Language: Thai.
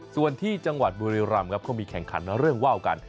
ส่วนที่จังหวัดบูริรัมป์ก็มีแข่งขันเรื่องว่าวกัน